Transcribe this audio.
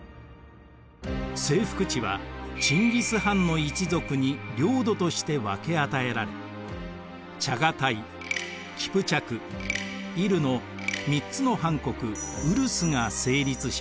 征服地はチンギス・ハンの一族に領土として分け与えられチャガタイキプチャクイルの３つのハン国ウルスが成立しました。